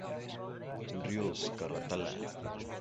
Ríos Carratalá.